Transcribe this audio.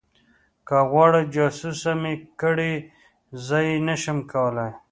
که غواړې جاسوسه مې کړي زه یې نشم کولی